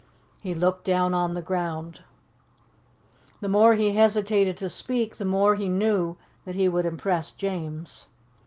He looked down on the ground. The more he hesitated to speak, the more he knew that he would impress James.